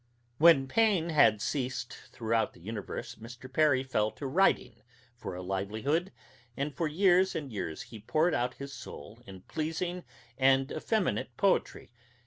When pain had ceased throughout the universe Mr. Perry fell to writing for a livelihood, and for years and years he poured out his soul in pleasing and effeminate poetry....